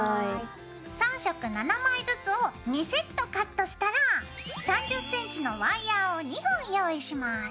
３色７枚ずつを２セットカットしたら３０ｃｍのワイヤーを２本用意します。